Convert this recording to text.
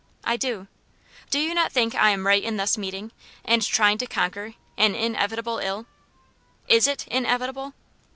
"I do." "Do you not think I am right in thus meeting, and trying to conquer, an inevitable ill?" "IS it inevitable?"